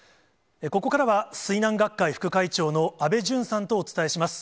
ここからは、水難学会副会長の安倍淳さんとお伝えします。